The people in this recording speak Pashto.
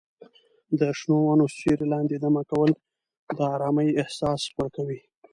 د شنو ونو سیوري لاندې دمه کول د ارامۍ احساس ورکوي.